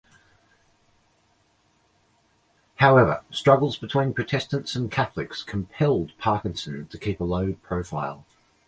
However, struggles between Protestants and Catholics compelled Parkinson to keep a low profile.